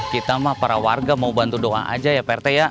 kita mah para warga mau bantu doang aja ya prt ya